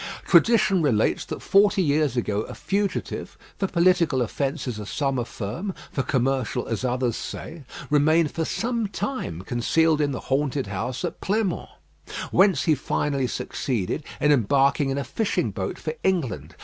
Tradition relates that forty years ago a fugitive for political offences as some affirm, for commercial as others say remained for some time concealed in the haunted house at Pleinmont; whence he finally succeeded in embarking in a fishing boat for England.